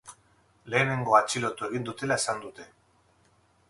Lehenengoa atxilotu egin dutela esan dute.